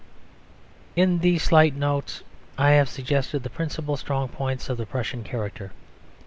In these slight notes I have suggested the principal strong points of the Prussian character.